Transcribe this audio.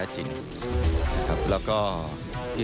สวัสดีครับทุกคน